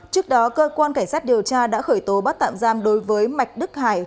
trước đó cơ quan cảnh sát điều tra đã khởi tố bắt tạm giam đối với mạch đức hải